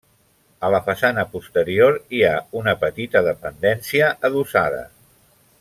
A la façana posterior hi ha una petita dependència adossada.